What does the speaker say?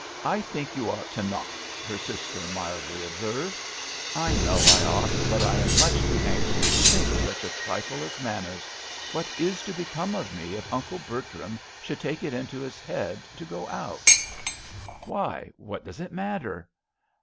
" I think you ought to knock," her sister mildly observed. •* I know I ought, but I am much too anxious to think of 130 A RAINY DAY. such a trifle as manners. What is to become of me if Uncle Bertram should take it into his head to go out ?"" Why, what does it matter?